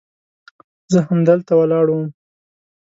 زه همدلته ولاړ وم.